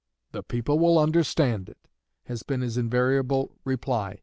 'The people will understand it,' has been his invariable reply.